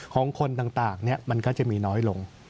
ของคนต่างมันก็จะมีน้อยลง